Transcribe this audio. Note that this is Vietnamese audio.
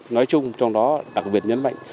nói chung trong đó đặc biệt nhấn mạnh